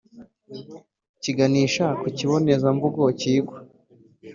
kiganisha ku kibonezamvugo kigwa.